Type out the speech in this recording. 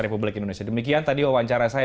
republik indonesia demikian tadi wawancara saya